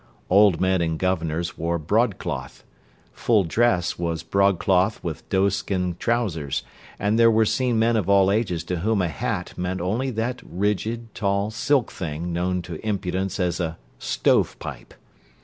Old men and governors wore broadcloth; "full dress" was broadcloth with "doeskin" trousers; and there were seen men of all ages to whom a hat meant only that rigid, tall silk thing known to impudence as a "stove pipe."